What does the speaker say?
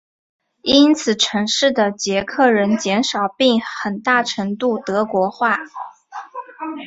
因此城市的捷克人减少并很大程度德国化。